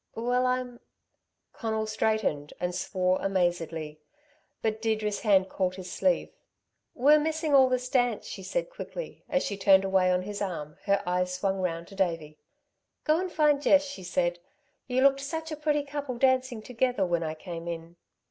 "Well, I'm " Conal straightened and swore amazedly. But Deirdre's hand caught his sleeve. "We're missing all this dance," she said quickly. As she turned away on his arm, her eyes swung round to Davey. "Go and find Jess," she said, "you looked such a pretty couple dancing together when I came in."